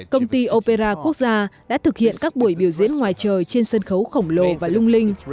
công ty opera quốc gia đã thực hiện các buổi biểu diễn ngoài trời trên sân khấu khổng lồ và lung linh